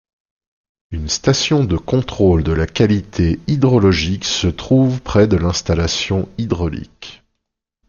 Une station de contrôle de la qualité hydrologique se trouve près de l'installation hydraulique.